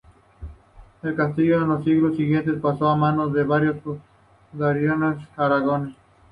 El castillo en los siglos siguientes pasó a manos de varios feudatarios aragoneses.